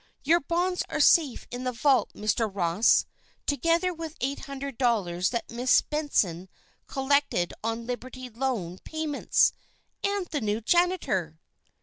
"Your bonds are safe in the vault, Mr. Ross, together with eight hundred dollars that Miss Benson collected on Liberty Loan payments and the new janitor!"